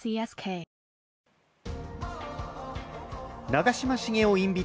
長嶋茂雄